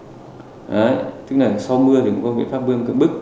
đấy tức là sau mưa thì cũng có biện pháp bơm cưỡng bức